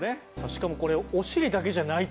しかもこれお尻だけじゃないと。